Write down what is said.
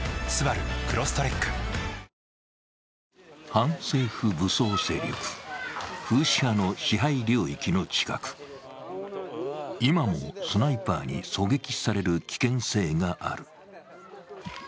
反政府武装勢力フーシ派の支配領域の近く今もスナイパーに狙撃される危険性がある。